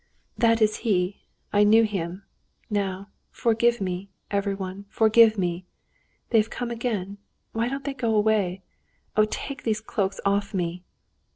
"That is he. I knew him! Now, forgive me, everyone, forgive me!... They've come again; why don't they go away?... Oh, take these cloaks off me!"